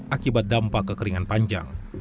akibat dampak kekeringan panjang